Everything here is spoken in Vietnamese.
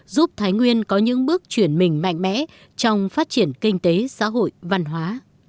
giúp thái nguyên có những bước chuyển mình mạnh mẽ trong phát triển kinh tế xã hội văn hóa